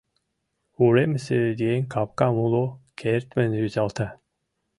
Уремысе еҥ капкам уло кертмын рӱзалта.